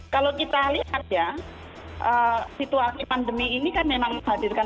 kalau kita lihat ya situasi pandemi ini kan memang menghadirkan